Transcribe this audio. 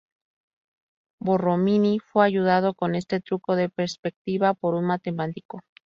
Borromini fue ayudado en este truco de perspectiva por un matemático.